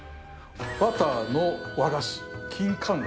バターの和菓子。